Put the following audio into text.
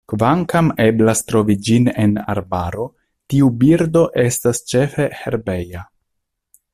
Kvankam eblas trovi ĝin en arbaro, tiu birdo estas ĉefe herbeja.